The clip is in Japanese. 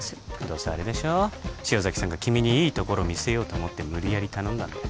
どうせあれでしょ塩崎さんが君にいいところ見せようと思って無理やり頼んだんだよ